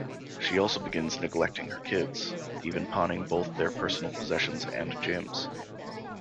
She also begins neglecting her kids, even pawning both their personal possessions and Jim's.